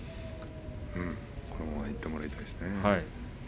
このままいってもらいたいですね。